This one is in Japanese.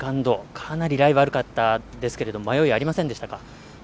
かなりライ、悪かったですけど迷いありませんでしたか？